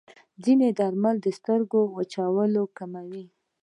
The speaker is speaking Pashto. ځینې درمل د سترګو وچوالی کموي.